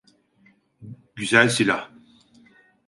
Güzel silah.